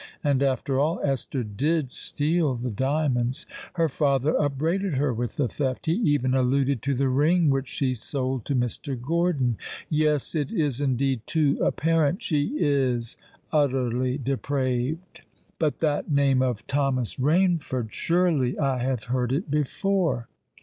And, after all, Esther did steal the diamonds: her father upbraided her with the theft! He even alluded to the ring which she sold to Mr. Gordon. Yes—it is indeed too apparent: she is utterly depraved! But that name of Thomas Rainford—surely I have heard it before?"